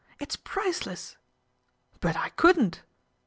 It's priceless." " But I couldn't."